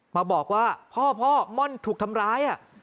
มาบอกว่าพ่อพ่อม่อนถูกทำร้าย